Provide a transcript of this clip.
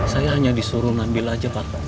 saya hanya disuruh ngambil aja pak